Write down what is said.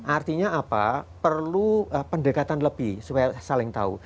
artinya apa perlu pendekatan lebih supaya saling tahu